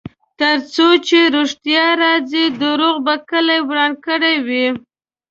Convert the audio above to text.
ترڅو چې ریښتیا راځي، دروغو به کلی وران کړی وي.